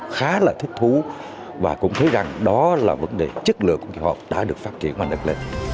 khá là thích thú và cũng thấy rằng đó là vấn đề chất lượng của kỳ họp đã được phát triển mạnh đất lên